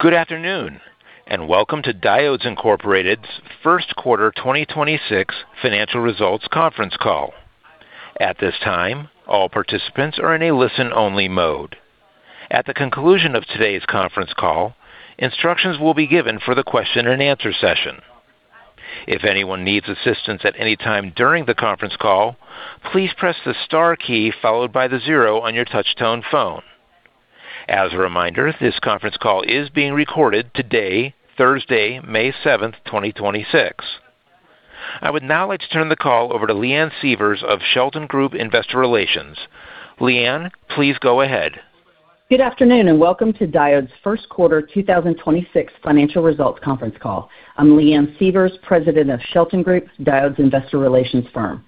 Good afternoon, and welcome to Diodes Incorporated's first quarter 2026 financial results conference call. As a reminder, this conference call is being recorded today, Thursday, May 7th, 2026. I would now like to turn the call over to Leanne Sievers of Shelton Group Investor Relations. Leanne, please go ahead. Good afternoon, and welcome to Diodes' first quarter 2026 financial results conference call. I'm Leanne Sievers, President of Shelton Group, Diodes' investor relations firm.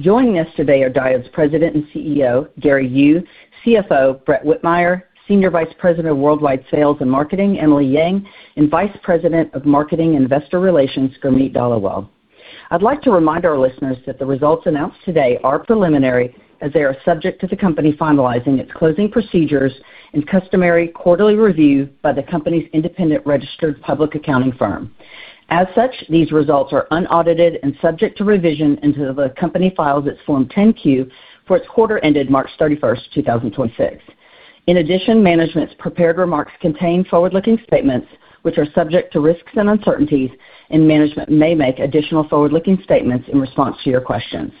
Joining us today are Diodes President and CEO, Gary Yu, CFO, Brett Whitmire, Senior Vice President of Worldwide Sales and Marketing, Emily Yang, and Vice President of Marketing Investor Relations, Gurmeet Dhaliwal. I'd like to remind our listeners that the results announced today are preliminary as they are subject to the company finalizing its closing procedures and customary quarterly review by the company's independent registered public accounting firm. As such, these results are unaudited and subject to revision until the company files its Form 10-Q for its quarter ended March 31st, 2026. In addition, management's prepared remarks contain forward-looking statements which are subject to risks and uncertainties, and management may make additional forward-looking statements in response to your questions.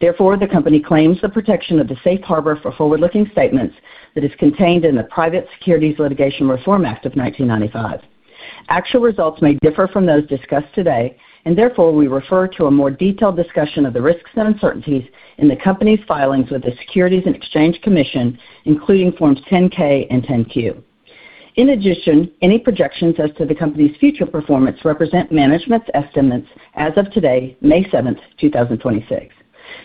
Therefore, the company claims the protection of the safe harbor for forward-looking statements that is contained in the Private Securities Litigation Reform Act of 1995. Actual results may differ from those discussed today, therefore, we refer to a more detailed discussion of the risks and uncertainties in the company's filings with the Securities and Exchange Commission, including forms 10-K and 10-Q. In addition, any projections as to the company's future performance represent management's estimates as of today, May 7th, 2026.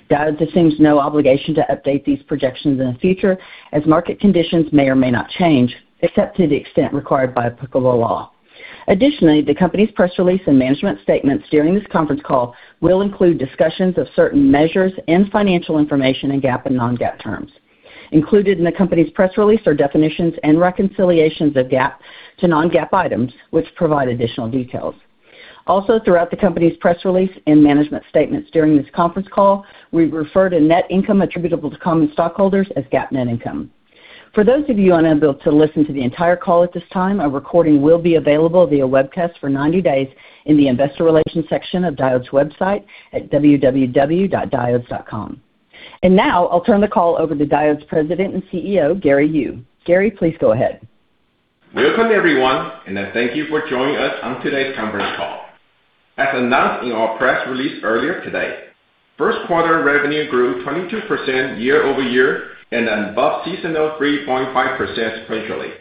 Diodes assumes no obligation to update these projections in the future as market conditions may or may not change, except to the extent required by applicable law. Additionally, the company's press release and management statements during this conference call will include discussions of certain measures and financial information in GAAP and non-GAAP terms. Included in the company's press release are definitions and reconciliations of GAAP to non-GAAP items, which provide additional details. Also, throughout the company's press release and management statements during this conference call, we refer to net income attributable to common stockholders as GAAP net income. For those of you unable to listen to the entire call at this time, a recording will be available via webcast for 90 days in the investor relations section of Diodes' website at www.diodes.com. Now, I'll turn the call over to Diodes President and CEO, Gary Yu. Gary, please go ahead. Welcome, everyone, and thank you for joining us on today's conference call. As announced in our press release earlier today, first quarter revenue grew 22% year-over-year and an above seasonal 3.5% sequentially.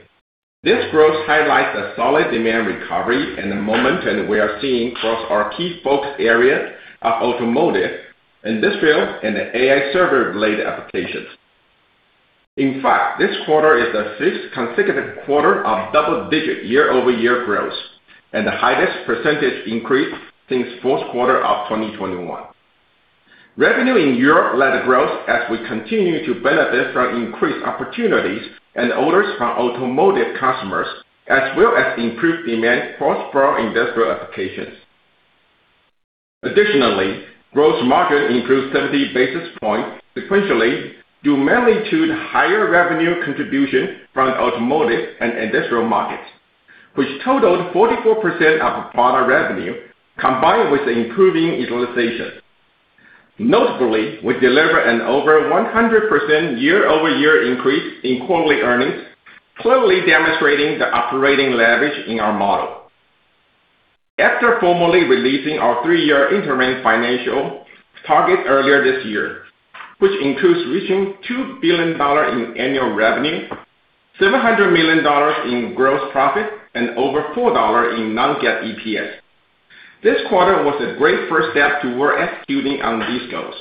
This growth highlights a solid demand recovery and the momentum we are seeing across our key focus areas of automotive, industrial, and AI server-related applications. In fact, this quarter is the sixth consecutive quarter of double-digit year-over-year growth and the highest percentage increase since fourth quarter of 2021. Revenue in Europe led growth as we continue to benefit from increased opportunities and orders from automotive customers, as well as improved demand for strong industrial applications. Additionally, gross margin improved 70 basis points sequentially due mainly to the higher revenue contribution from automotive and industrial markets, which totaled 44% of product revenue combined with improving utilization. Notably, we delivered an over 100% year-over-year increase in quarterly earnings, clearly demonstrating the operating leverage in our model. After formally releasing our three-year interim financial target earlier this year, which includes reaching $2 billion in annual revenue, $700 million in gross profit, and over $4 in non-GAAP EPS, this quarter was a great first step toward executing on these goals.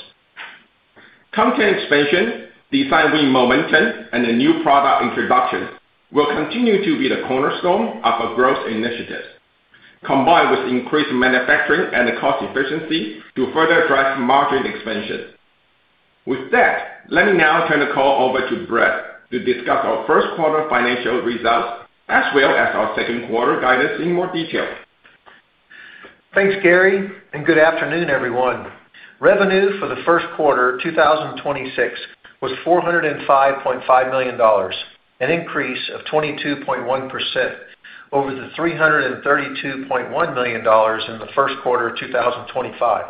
Content expansion, design win momentum, and new product introductions will continue to be the cornerstone of our growth initiatives, combined with increased manufacturing and cost efficiency to further drive margin expansion. With that, let me now turn the call over to Brett to discuss our first quarter financial results as well as our second quarter guidance in more detail. Thanks, Gary. Good afternoon, everyone. Revenue for the first quarter 2026 was $405.5 million, an increase of 22.1% over the $332.1 million in the first quarter of 2025,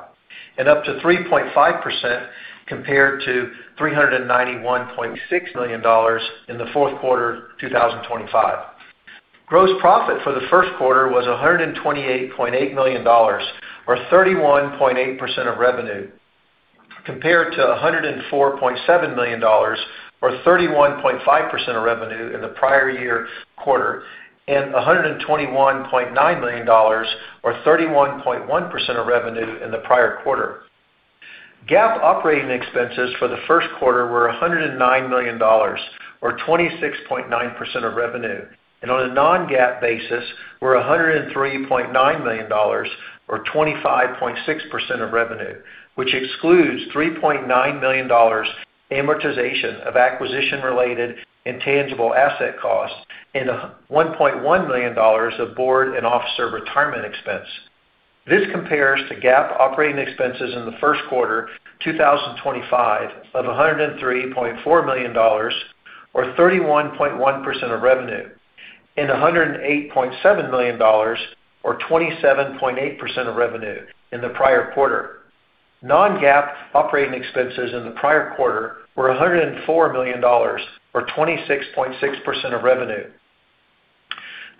and up 3.5% compared to $391.6 million in the fourth quarter 2025. Gross profit for the first quarter was $128.8 million or 31.8% of revenue, compared to $104.7 million or 31.5% of revenue in the prior year quarter and $121.9 million or 31.1% of revenue in the prior quarter. GAAP operating expenses for the first quarter were $109 million or 26.9% of revenue, and on a non-GAAP basis were $103.9 million or 25.6% of revenue, which excludes $3.9 million amortization of acquisition-related intangible asset costs and $1.1 million of board and officer retirement expense. This compares to GAAP operating expenses in the first quarter 2025 of $103.4 million, or 31.1% of revenue, and $108.7 million, or 27.8% of revenue in the prior quarter. Non-GAAP operating expenses in the prior quarter were $104 million, or 26.6% of revenue.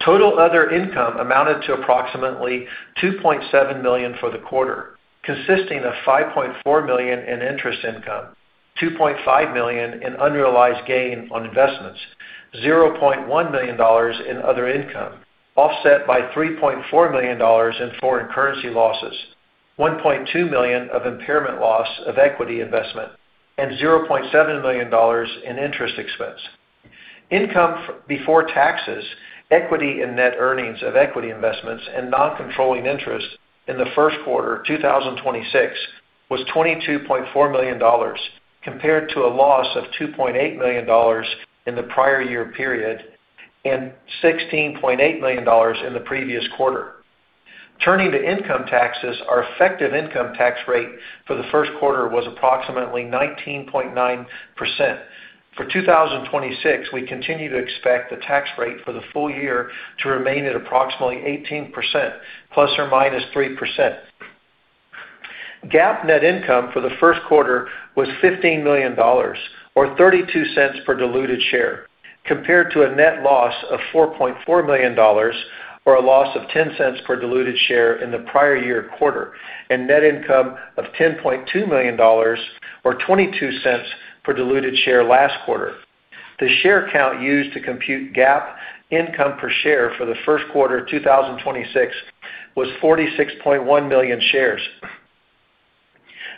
Total other income amounted to approximately $2.7 million for the quarter, consisting of $5.4 million in interest income, $2.5 million in unrealized gain on investments, $0.1 million in other income, offset by $3.4 million in foreign currency losses, $1.2 million of impairment loss of equity investment, and $0.7 million in interest expense. Income before taxes, equity in net earnings of equity investments, and non-controlling interest in the first quarter 2026 was $22.4 million, compared to a loss of $2.8 million in the prior year period and $16.8 million in the previous quarter. Turning to income taxes, our effective income tax rate for the first quarter was approximately 19.9%. For 2026, we continue to expect the tax rate for the full year to remain at approximately 18% ±3%. GAAP net income for the first quarter was $15 million, or $0.32 per diluted share, compared to a net loss of $4.4 million or a loss of $0.10 per diluted share in the prior year quarter, and net income of $10.2 million or $0.22 per diluted share last quarter. The share count used to compute GAAP income per share for the first quarter 2026 was 46.1 million shares.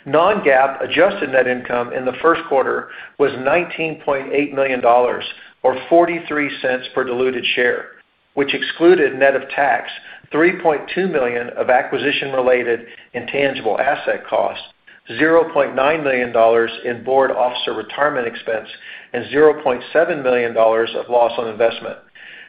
Non-GAAP adjusted net income in the first quarter was $19.8 million, or $0.43 per diluted share, which excluded net of tax, $3.2 million of acquisition-related intangible asset costs, $0.9 million in board officer retirement expense, and $0.7 million of loss on investment.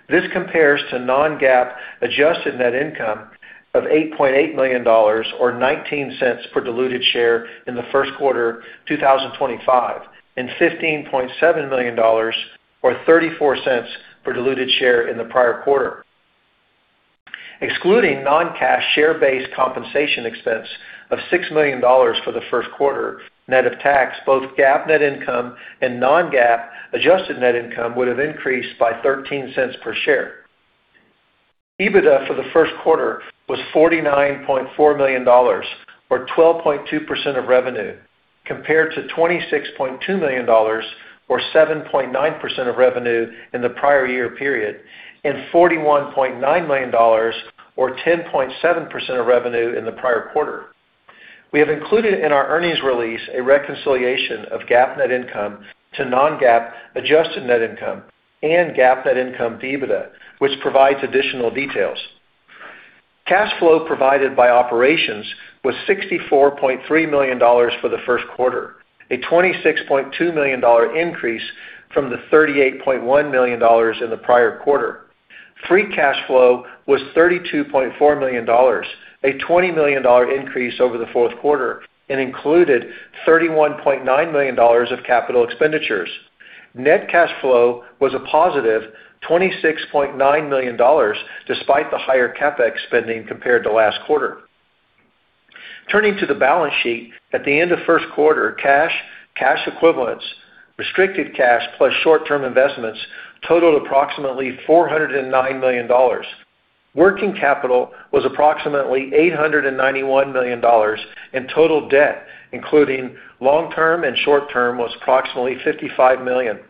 This compares to non-GAAP adjusted net income of $8.8 million, or $0.19 per diluted share in the first quarter 2025, and $15.7 million or $0.34 per diluted share in the prior quarter. Excluding non-cash share-based compensation expense of $6 million for the first quarter net of tax, both GAAP net income and non-GAAP adjusted net income would have increased by $0.13 per share. EBITDA for the first quarter was $49.4 million, or 12.2% of revenue, compared to $26.2 million or 7.9% of revenue in the prior year period, and $41.9 million or 10.7% of revenue in the prior quarter. We have included in our earnings release a reconciliation of GAAP net income to non-GAAP adjusted net income and GAAP net income to EBITDA, which provides additional details. Cash flow provided by operations was $64.3 million for the first quarter, a $26.2 million increase from the $38.1 million in the prior quarter. Free cash flow was $32.4 million, a $20 million increase over the fourth quarter, and included $31.9 million of capital expenditures. Net cash flow was a +$26.9 million, despite the higher CapEx spending compared to last quarter. Turning to the balance sheet, at the end of first quarter, cash equivalents, restricted cash, plus short-term investments totaled approximately $409 million. Working capital was approximately $891 million, and total debt, including long-term and short-term, was approximately $55 million.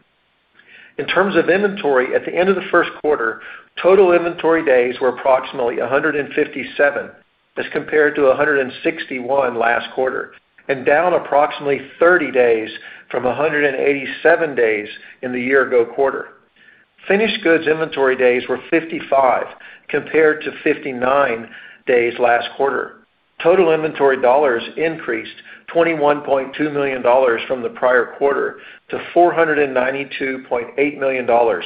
In terms of inventory, at the end of the first quarter, total inventory days were approximately 157, as compared to 161 last quarter, and down approximately 30 days from 187 days in the year ago quarter. Finished goods inventory days were 55 compared to 59 days last quarter. Total inventory dollars increased $21.2 million from the prior quarter to $492.8 million,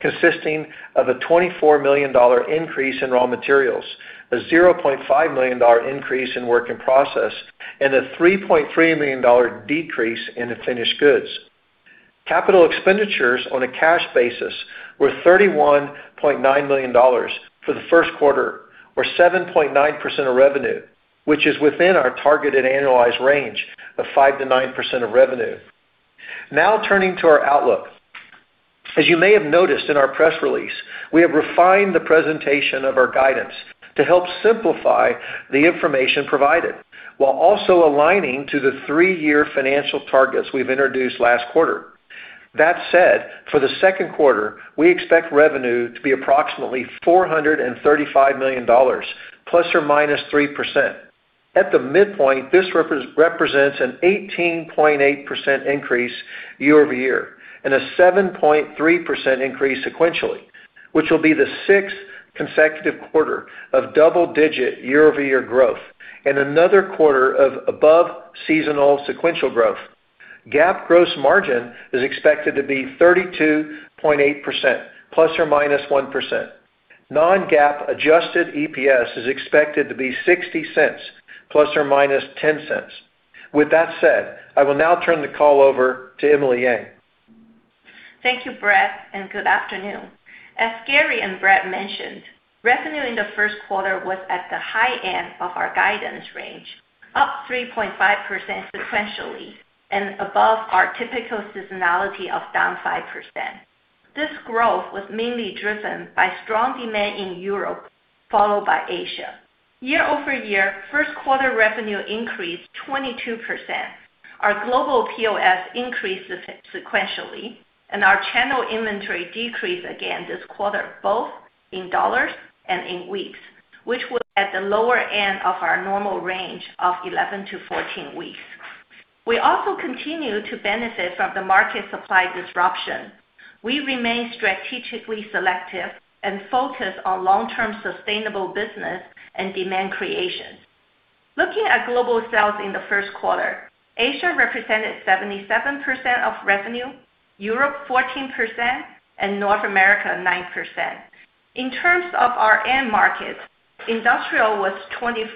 consisting of a $24 million increase in raw materials, a $0.5 million increase in work in process, and a $3.3 million decrease in the finished goods. Capital expenditures on a cash basis were $31.9 million for the first quarter, or 7.9% of revenue, which is within our targeted annualized range of 5%-9% of revenue. Now turning to our outlook. As you may have noticed in our press release, we have refined the presentation of our guidance to help simplify the information provided while also aligning to the three-year financial targets we've introduced last quarter. That said, for the second quarter, we expect revenue to be approximately $435 million ±3%. At the midpoint, this represents an 18.8% increase year-over-year and a 7.3% increase sequentially, which will be the sixth consecutive quarter of double-digit year-over-year growth and another quarter of above-seasonal sequential growth. GAAP gross margin is expected to be 32.8% ±1%. Non-GAAP adjusted EPS is expected to be $0.60 ±$0.10. With that said, I will now turn the call over to Emily Yang. Thank you, Brett, and good afternoon. As Gary and Brett mentioned, revenue in the first quarter was at the high end of our guidance range, up 3.5% sequentially and above our typical seasonality of down 5%. This growth was mainly driven by strong demand in Europe, followed by Asia. Year-over-year, first quarter revenue increased 22%. Our global POS increased sequentially, and our channel inventory decreased again this quarter, both in dollars and in weeks, which was at the lower end of our normal range of 11-14 weeks. We also continue to benefit from the market supply disruption. We remain strategically selective and focused on long-term sustainable business and demand creation. Looking at global sales in the first quarter, Asia represented 77% of revenue, Europe 14%, and North America 9%. In terms of our end markets, industrial was 24%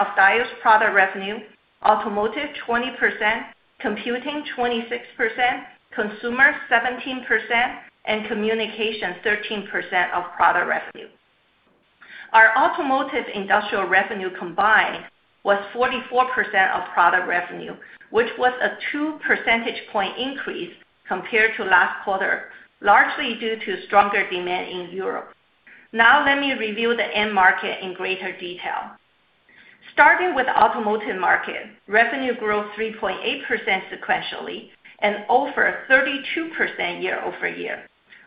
of Diodes product revenue, automotive 20%, computing 26%, consumer 17%, and communication 13% of product revenue. Our automotive industrial revenue combined was 44% of product revenue, which was a two percentage point increase compared to last quarter, largely due to stronger demand in Europe. Let me review the end market in greater detail. Starting with automotive market, revenue grew 3.8% sequentially and over 32% year-over-year.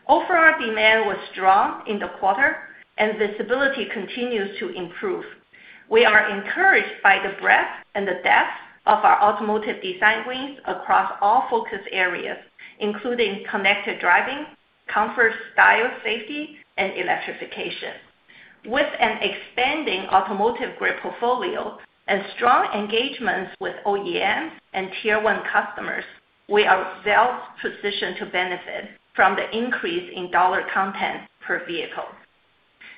Overall demand was strong in the quarter and visibility continues to improve. We are encouraged by the breadth and the depth of our automotive design wins across all focus areas, including connected driving, comfort, style, safety, and electrification. With an expanding automotive-grade portfolio and strong engagements with OEMs and Tier 1 customers, we are well-positioned to benefit from the increase in dollar content per vehicle.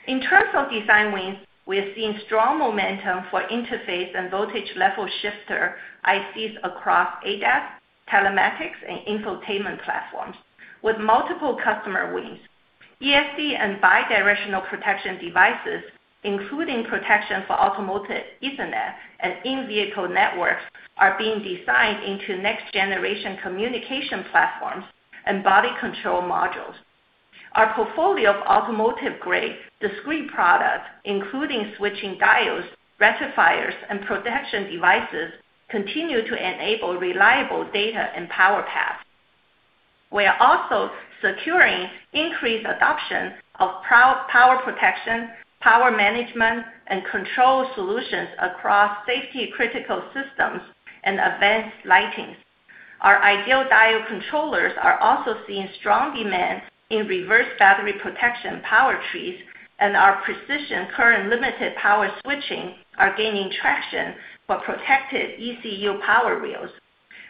In terms of design wins, we are seeing strong momentum for interface and voltage level shifter ICs across ADAS, telematics, and infotainment platforms with multiple customer wins. ESD and bidirectional protection devices, including protection for automotive Ethernet and in-vehicle networks, are being designed into next-generation communication platforms and body control modules. Our portfolio of automotive-grade discrete products, including switching diodes, rectifiers, and protection devices, continue to enable reliable data and power paths. We are also securing increased adoption of power protection, power management, and control solutions across safety-critical systems and advanced lightings. Our ideal diode controllers are also seeing strong demand in reverse battery protection power trees, and our precision current limited power switching are gaining traction for protected ECU power rails.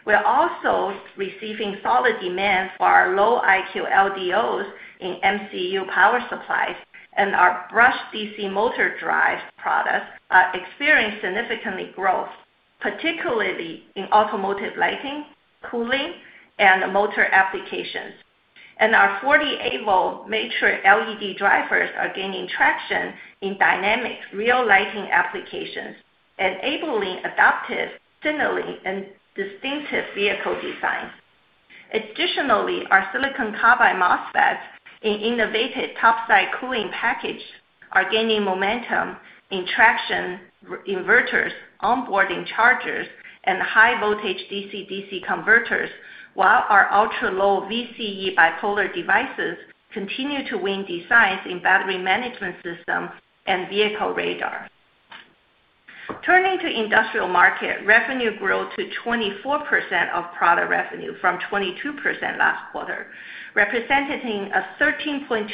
We are also receiving solid demand for our low Iq LDOs in MCU power supplies, and our brushed DC motor drive products are experiencing significant growth, particularly in automotive lighting, cooling, and motor applications. Our 48 volt Matrix LED drivers are gaining traction in dynamic rear lighting applications, enabling adaptive signaling and distinctive vehicle designs. Additionally, our silicon carbide MOSFETs in innovative top-side cooling package are gaining momentum in traction inverters, on-boarding chargers, and high-voltage DC/DC converters, while our ultra-low VCE bipolar devices continue to win designs in battery management systems and vehicle radar. Turning to industrial market, revenue grew to 24% of product revenue from 22% last quarter, representing a 13.2%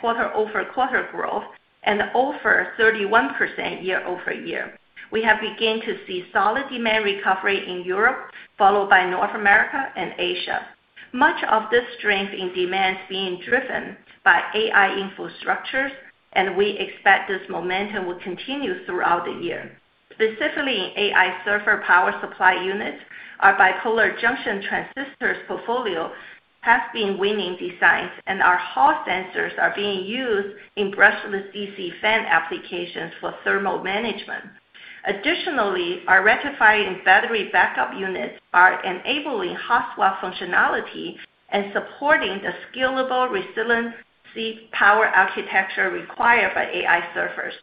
quarter-over-quarter growth and over 31% year-over-year. We have begun to see solid demand recovery in Europe, followed by North America and Asia. Much of this strength in demand is being driven by AI infrastructures, and we expect this momentum will continue throughout the year. Specifically in AI server power supply units, our bipolar junction transistors portfolio has been winning designs, and our Hall sensors are being used in brushless DC fan applications for thermal management. Additionally, our rectifying battery backup units are enabling hot swap functionality and supporting the scalable resiliency power architecture required by AI servers.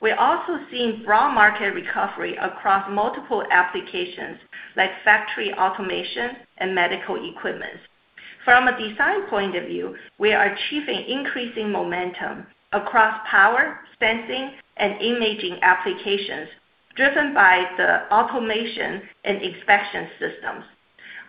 We're also seeing broad market recovery across multiple applications like factory automation and medical equipment. From a design point of view, we are achieving increasing momentum across power, sensing, and imaging applications driven by the automation and inspection systems.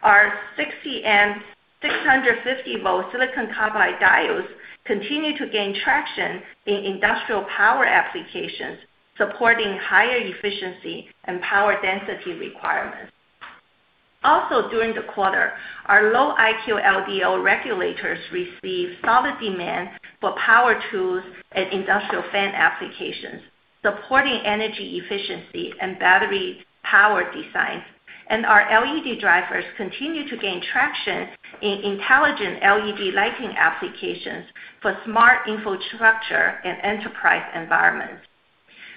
Our 60 amp, 650 volt silicon carbide diodes continue to gain traction in industrial power applications, supporting higher efficiency and power density requirements. Also during the quarter, our low Iq LDO regulators received solid demand for power tools and industrial fan applications, supporting energy efficiency and battery power design. our LED drivers continue to gain traction in intelligent LED lighting applications for smart infrastructure and enterprise environments.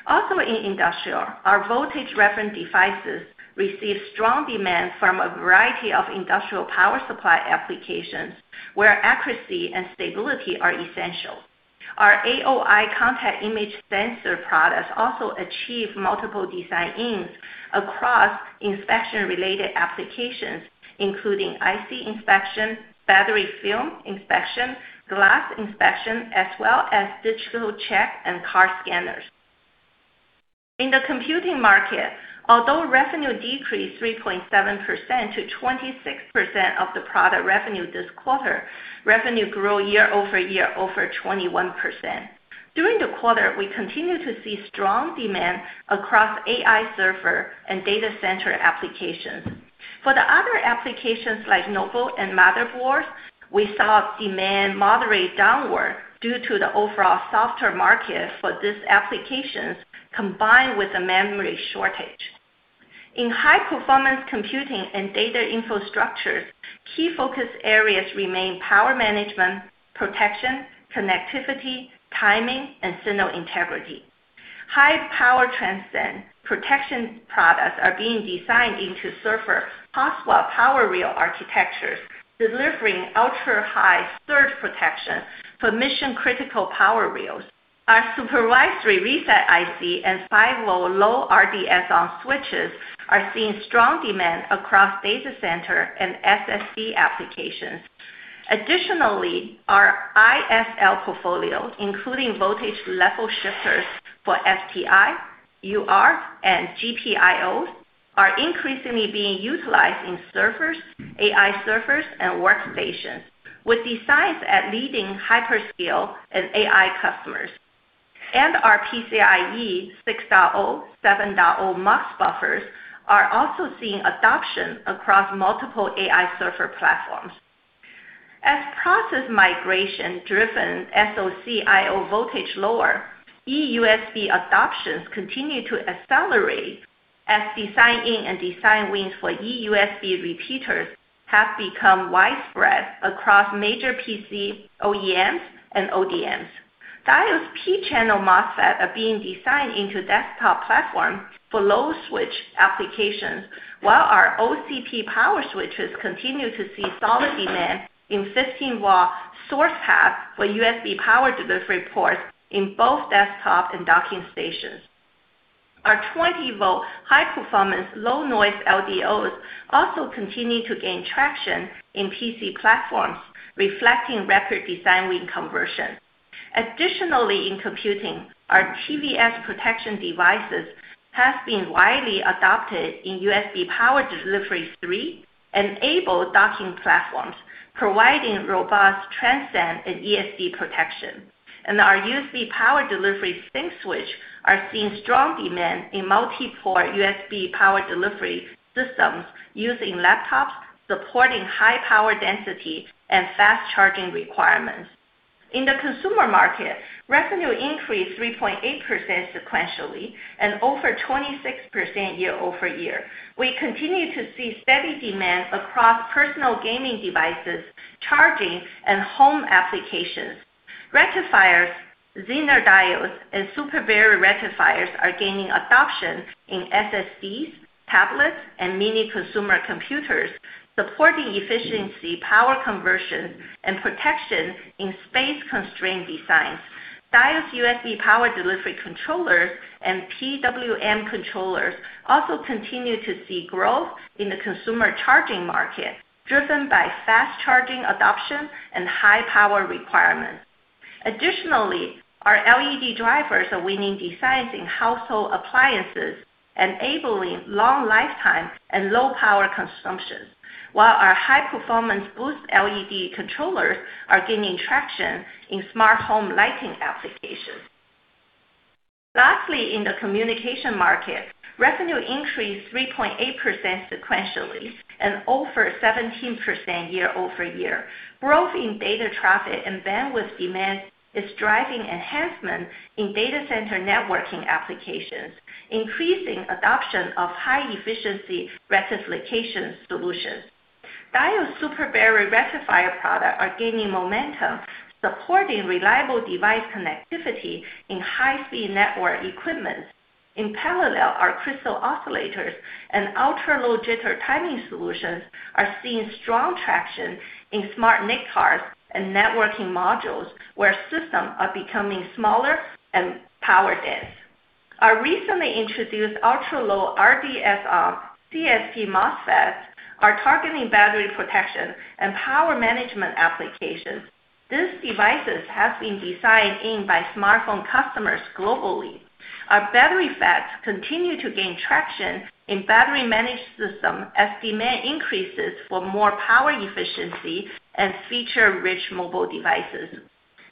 Also in industrial, our voltage reference devices received strong demand from a variety of industrial power supply applications, where accuracy and stability are essential. Our AOI contact image sensor products also achieve multiple design-ins across inspection-related applications, including IC inspection, battery film inspection, glass inspection, as well as digital check and car scanners. In the computing market, although revenue decreased 3.7% to 26% of the product revenue this quarter, revenue grew year-over-year over 21%. During the quarter, we continued to see strong demand across AI server and data center applications. For the other applications like notebook and motherboards, we saw demand moderate downward due to the overall softer market for these applications, combined with a memory shortage. In high-performance computing and data infrastructure, key focus areas remain power management, protection, connectivity, timing, and signal integrity. High power transient protection products are being designed into server hot swap power rail architectures, delivering ultra-high surge protection for mission-critical power rails. Our supervisory reset IC and 5-volt low RDS(on) switches are seeing strong demand across data center and SSD applications. Additionally, our IFL portfolio, including voltage level shifters for FTI, UART, and GPIOs, are increasingly being utilized in servers, AI servers, and workstations, with designs at leading hyperscale and AI customers. Our PCIe 6.0, 7.0 MUX buffers are also seeing adoption across multiple AI server platforms. As process migration-driven SoC I/O voltage lower, eUSB adoptions continue to accelerate as design-in and design wins for eUSB repeaters have become widespread across major PC OEMs and ODMs. Diodes P-channel MOSFET are being designed into desktop platforms for load switch applications, while our OCP power switches continue to see solid demand in 15 watt source paths for USB power delivery ports in both desktop and docking stations. Our 20 volt high-performance, low noise LDOs also continue to gain traction in PC platforms, reflecting record design win conversion. Additionally, in computing, our TVS protection devices have been widely adopted in USB Power Delivery 3 enabled docking platforms, providing robust transient and ESD protection. Our USB Power Delivery sink switch are seeing strong demand in multi-port USB Power Delivery systems used in laptops, supporting high power density and fast charging requirements. In the consumer market, revenue increased 3.8% sequentially and over 26% year-over-year. We continue to see steady demand across personal gaming devices, charging, and home applications. Rectifiers, Zener diodes, and Super Barrier Rectifiers are gaining adoption in SSDs, tablets, and mini consumer computers, supporting efficiency, power conversion, and protection in space-constrained designs. Diodes USB Power Delivery controllers and PWM controllers also continue to see growth in the consumer charging market, driven by fast charging adoption and high power requirements. Additionally, our LED drivers are winning designs in household appliances, enabling long lifetime and low power consumption, while our high-performance boost LED controllers are gaining traction in smart home lighting applications. Lastly, in the communication market, revenue increased 3.8% sequentially and over 17% year-over-year. Growth in data traffic and bandwidth demand is driving enhancements in data center networking applications, increasing adoption of high-efficiency rectification solutions. Diodes Super Barrier Rectifier products are gaining momentum, supporting reliable device connectivity in high-speed network equipment. In parallel, our crystal oscillators and ultra-low jitter timing solutions are seeing strong traction in SmartNIC cards and networking modules, where systems are becoming smaller and power dense. Our recently introduced ultra-low RDS on CSP MOSFETs are targeting battery protection and power management applications. These devices have been designed in by smartphone customers globally. Our battery FETs continue to gain traction in battery managed systems as demand increases for more power efficiency and feature-rich mobile devices.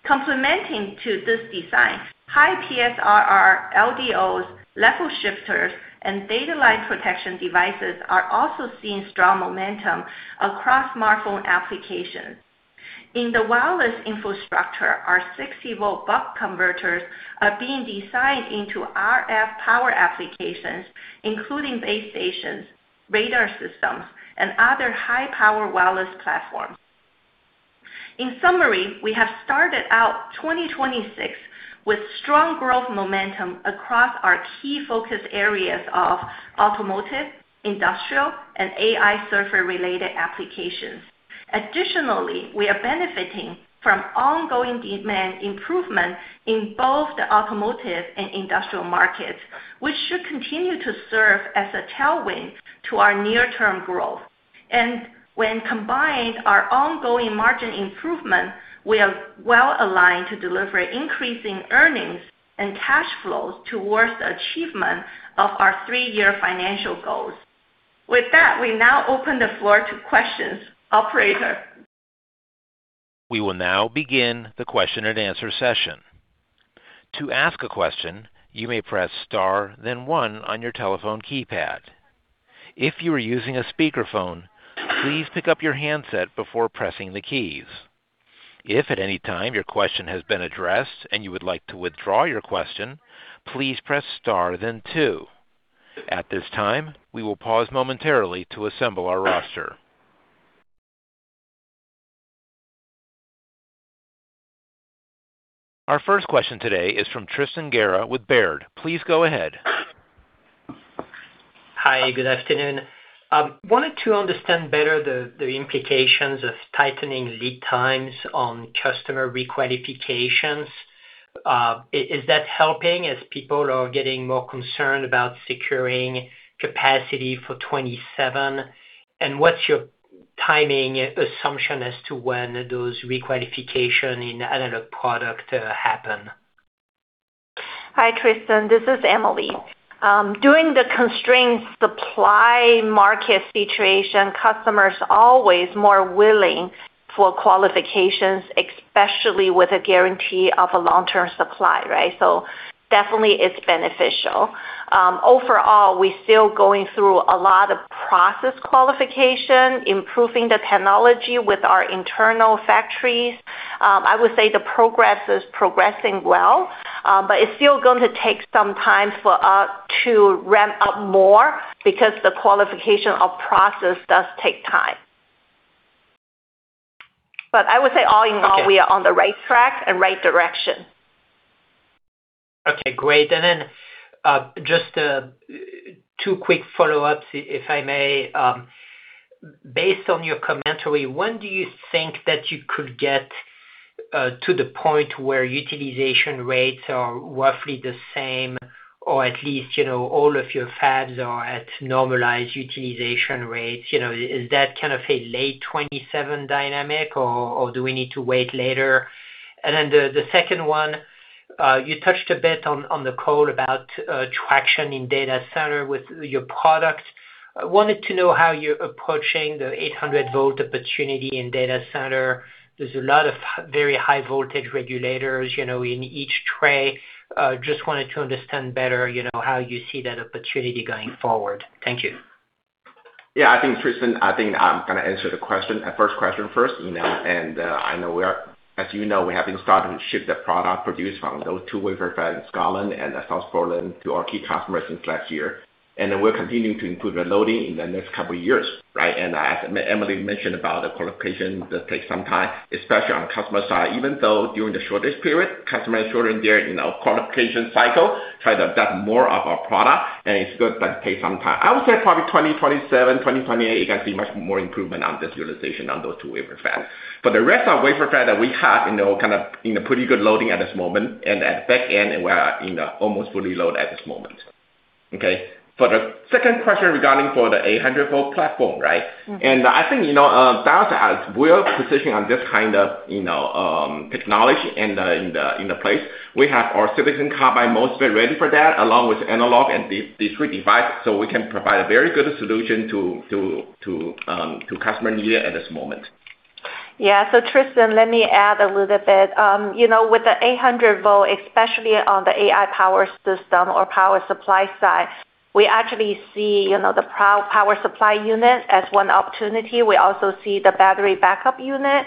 Complementing to this design, high PSRR, LDOs, level shifters, and data line protection devices are also seeing strong momentum across smartphone applications. In the wireless infrastructure, our 60-volt buck converters are being designed into RF power applications, including base stations, radar systems, and other high-power wireless platforms. In summary, we have started out 2026 with strong growth momentum across our key focus areas of automotive, industrial, and AI server-related applications. Additionally, we are benefiting from ongoing demand improvement in both the automotive and industrial markets, which should continue to serve as a tailwind to our near-term growth. When combined, our ongoing margin improvement, we are well-aligned to deliver increasing earnings and cash flows towards the achievement of our three-year financial goals. With that, we now open the floor to questions. Operator? We will now begin the question and answer session. To ask a question, you may press star then one on your telephone keypad. If you are using a speakerphone, please pick up your handset before pressing the keys. If at any time your question has been addressed and you would like to withdraw your question, please press star then two. At this time, we will pause momentarily to assemble our roster. Our first question today is from Tristan Gerra with Baird. Please go ahead. Hi, good afternoon. Wanted to understand better the implications of tightening lead times on customer re-qualifications. Is that helping as people are getting more concerned about securing capacity for 27? What's your timing assumption as to when those re-qualification in analog product happen? Hi, Tristan, this is Emily. During the constrained supply market situation, customers always more willing for qualifications, especially with a guarantee of a long-term supply, right? Definitely it's beneficial. Overall, we're still going through a lot of process qualification, improving the technology with our internal factories. I would say the progress is progressing well, it's still going to take some time for us to ramp up more because the qualification of process does take time. I would say all in all. Okay. We are on the right track and right direction. Okay, great. Just two quick follow-ups, if I may. Based on your commentary, when do you think that you could get to the point where utilization rates are roughly the same or at least, you know, all of your fabs are at normalized utilization rates? You know, is that kind of a late 2027 dynamic, or do we need to wait later? The second one, you touched a bit on the call about traction in data center with your product. I wanted to know how you're approaching the 800 volt opportunity in data center. There's a lot of very high voltage regulators, you know, in each tray. Just wanted to understand better, you know, how you see that opportunity going forward. Thank you. Yeah. I think, Tristan, I think I'm gonna answer the question, first question first, you know. As you know, we have been starting to ship the product produced from those two wafer fab in Scotland and South Portland to our key customers since last year. We're continuing to improve the loading in the next couple of years, right? As Emily mentioned about the qualification does take some time, especially on customer side, even though during the shortage period, customers shorten their, you know, qualification cycle, try to adopt more of our product, and it's good, but it takes some time. I would say probably 2027, 2028, you can see much more improvement on this utilization on those two wafer fab. For the rest of wafer fab that we have, you know, kind of in a pretty good loading at this moment, and at back end, we are in a almost fully load at this moment. Okay? For the second question regarding for the 800 volt platform, right? I think, you know, that's as we are positioned on this kind of, you know, technology in the place. We have our silicon carbide MOSFET ready for that, along with analog and discrete device, so we can provide a very good solution to customer need at this moment. Yeah. Tristan, let me add a little bit. You know, with the 800 volt, especially on the AI power system or power supply side, we actually see, you know, the power supply unit as one opportunity. We also see the battery backup unit,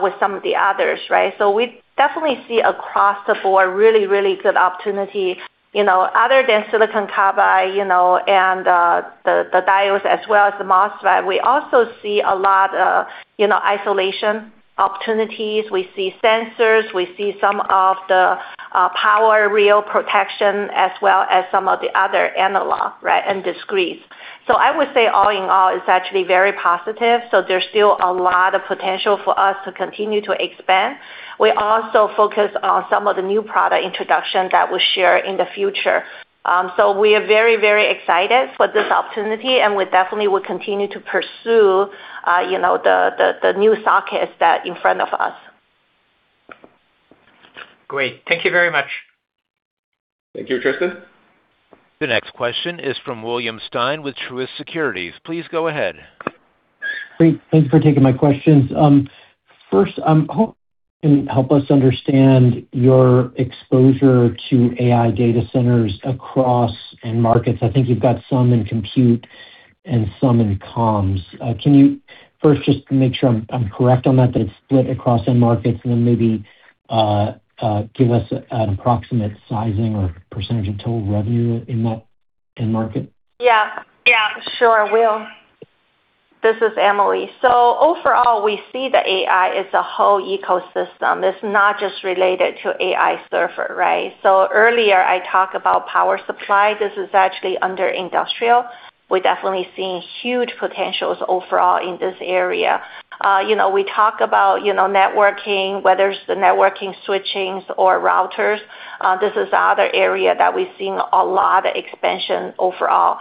with some of the others, right? We definitely see across the board really, really good opportunity. You know, other than silicon carbide, you know, and the diodes as well as the MOSFET, we also see a lot of, you know, isolation opportunities. We see sensors, we see some of the power rail protection, as well as some of the other analog, right, and discretes. I would say all in all, it's actually very positive, so there's still a lot of potential for us to continue to expand. We also focus on some of the new product introduction that we'll share in the future. We are very, very excited for this opportunity, and we definitely will continue to pursue, you know, the new sockets that in front of us. Great. Thank you very much. Thank you, Tristan. The next question is from William Stein with Truist Securities. Please go ahead. Great. Thank you for taking my questions. First, I hope. Can you help us understand your exposure to AI data centers across end markets? I think you've got some in compute and some in comms. Can you first just make sure I'm correct on that it's split across end markets, and then maybe give us an approximate sizing or percentage of total revenue in that end market? Yeah, sure, Will. This is Emily. Overall, we see the AI as a whole ecosystem. It's not just related to AI server, right? Earlier, I talk about power supply. This is actually under industrial. We're definitely seeing huge potentials overall in this area. You know, we talk about, you know, networking, whether it's the networking switching's or routers. This is the other area that we're seeing a lot expansion overall.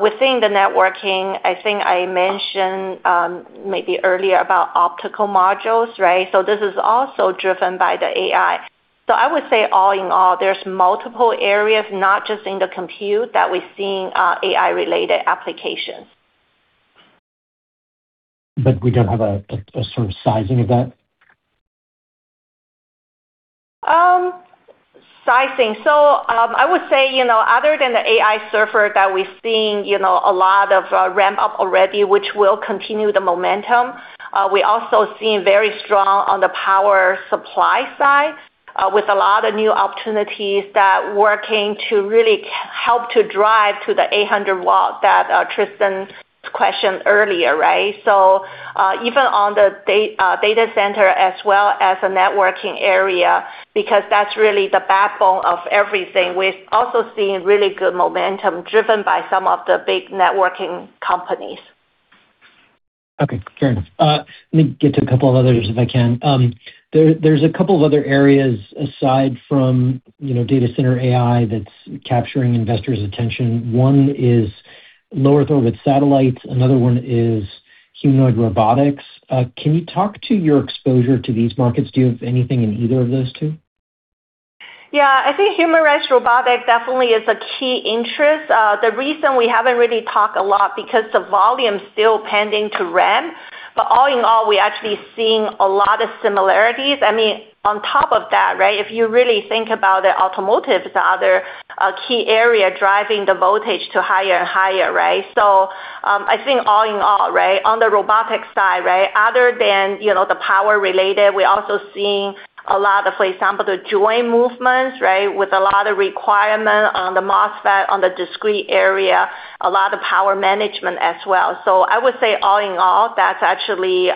Within the networking, I think I mentioned, maybe earlier about optical modules, right? This is also driven by the AI. I would say all in all, there's multiple areas, not just in the compute, that we're seeing, AI-related applications. We don't have a sort of sizing of that? Sizing. I would say, you know, other than the AI server that we're seeing, you know, a lot of ramp up already, which will continue the momentum, we also seeing very strong on the power supply side, with a lot of new opportunities that working to really help to drive to the 800 watt that Tristan questioned earlier, right? even on the data center as well as the networking area, because that's really the backbone of everything, we're also seeing really good momentum driven by some of the big networking companies. Okay, fair enough. Let me get to a couple of others if I can. There, there's a couple of other areas aside from, you know, data center AI that's capturing investors' attention. One is low Earth orbit satellites, another one is humanoid robotics. Can you talk to your exposure to these markets? Do you have anything in either of those two? Yeah. I think humanoid robotic definitely is a key interest. The reason we haven't really talked a lot, because the volume's still pending to ramp. All in all, we're actually seeing a lot of similarities. I mean, on top of that, right, if you really think about the automotive, the other key area driving the voltage to higher and higher, right? I think all in all, right, on the robotics side, right, other than, you know, the power related, we're also seeing a lot of, for example, the joint movements, right? With a lot of requirement on the MOSFET, on the discrete area, a lot of power management as well. I would say all in all, that's actually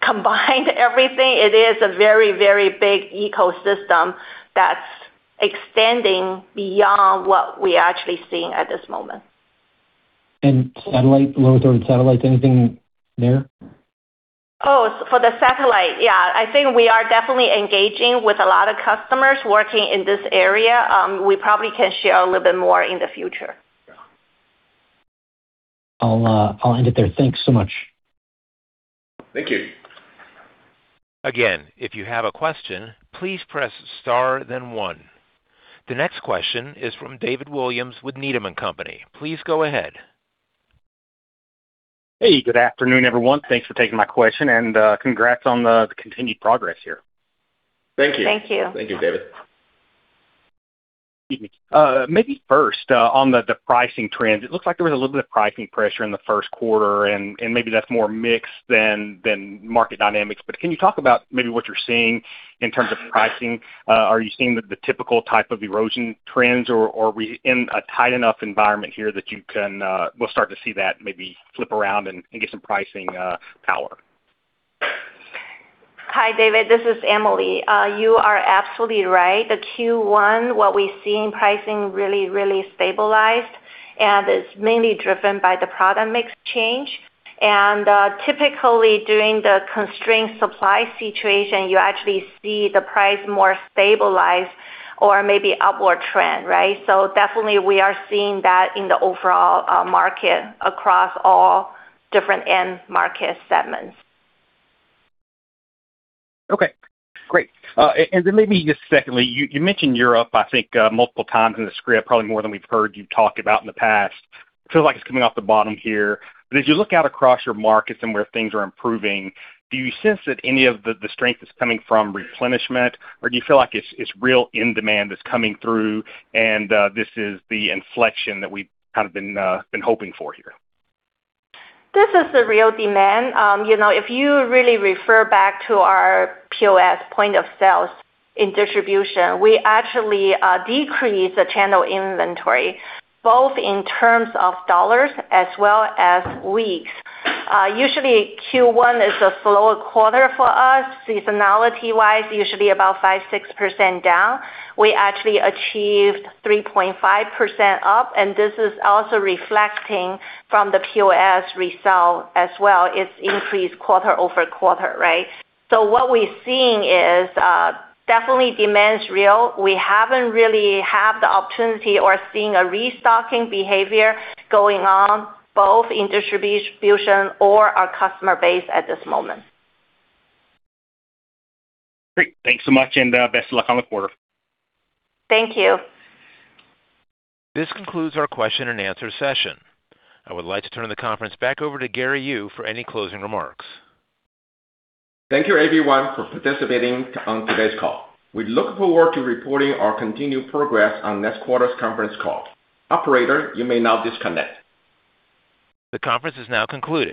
combined everything. It is a very, very big ecosystem that's extending beyond what we're actually seeing at this moment. Satellite, low Earth orbit satellites, anything there? Oh, for the satellite. Yeah. I think we are definitely engaging with a lot of customers working in this area. We probably can share a little bit more in the future. I'll end it there. Thanks so much. Thank you. Again, if you have a question, please press star then one. The next question is from David Williams with Needham & Company. Please go ahead. Hey, good afternoon, everyone. Thanks for taking my question, and congrats on the continued progress here. Thank you. Thank you. Thank you, David. Excuse me. Maybe first, on the pricing trends. It looks like there was a little bit of pricing pressure in the first quarter, and maybe that's more mix than market dynamics, but can you talk about maybe what you're seeing in terms of pricing? Are you seeing the typical type of erosion trends, or are we in a tight enough environment here that you can, we'll start to see that maybe flip around and get some pricing, power? Hi, David, this is Emily. You are absolutely right. The Q1, what we're seeing pricing really, really stabilized, and it's mainly driven by the product mix change. Typically, during the constrained supply situation, you actually see the price more stabilized or maybe upward trend, right? Definitely we are seeing that in the overall market across all different end market segments. Okay, great. Then maybe just secondly, you mentioned Europe, I think, multiple times in the script, probably more than we've heard you talk about in the past. Feels like it's coming off the bottom here. As you look out across your markets and where things are improving, do you sense that any of the strength is coming from replenishment, or do you feel like it's real end demand that's coming through and this is the inflection that we've kind of been hoping for here? This is the real demand. You know, if you really refer back to our POS, point of sales in distribution, we actually decreased the channel inventory, both in terms of dollars as well as weeks. Usually Q1 is a slower quarter for us. Seasonality-wise, usually about 5%-6% down. We actually achieved 3.5% up, and this is also reflecting from the POS resell as well. It's increased quarter-over-quarter, right? What we're seeing is definitely demand's real. We haven't really had the opportunity or seeing a restocking behavior going on, both in distribution or our customer base at this moment. Great. Thanks so much, and best of luck on the quarter. Thank you. This concludes our question and answer session. I would like to turn the conference back over to Gary Yu for any closing remarks. Thank you everyone for participating on today's call. We look forward to reporting our continued progress on next quarter's conference call. Operator, you may now disconnect. The conference is now concluded.